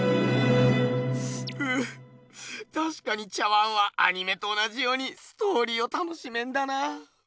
ううたしかに茶碗はアニメと同じようにストーリーを楽しめんだな。